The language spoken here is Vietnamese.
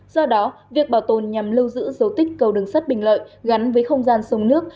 do đó việc bảo tồn nhằm lưu giữ dấu tích cầu đường sắt bình lợi gắn với không gian sông nước